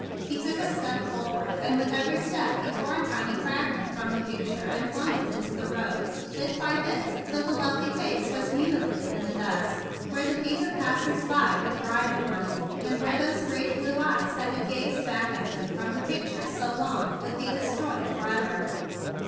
He took a step forward, and every step he tore a tiny fragment from the picture and flung it into the road bit by bit till the lovely face was mutilated in the dust where the feet of passers by would grind upon it and where those great blue eyes that had gazed back at him from the picture so long would be destroyed forever.